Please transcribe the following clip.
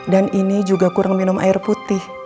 dan ini juga kurang minum air putih